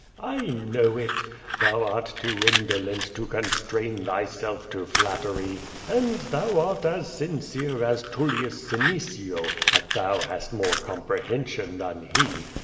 ! know it. Thou art too indolent to constrain thyself to flatterv. And thou art as sincere as Tullius Senecio, but thou hast more comprohension than he.